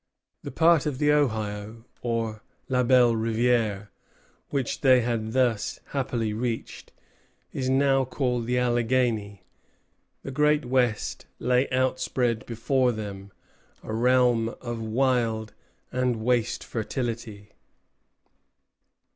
The part of the Ohio, or "La Belle Rivière," which they had thus happily reached, is now called the Alleghany. The Great West lay outspread before them, a realm of wild and waste fertility.